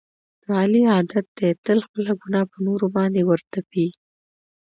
د علي عادت دی تل خپله ګناه په نورو باندې ور تپي.